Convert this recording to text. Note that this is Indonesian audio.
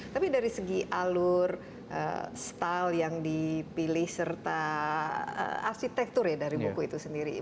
tapi dari segi alur style yang dipilih serta arsitektur ya dari buku itu sendiri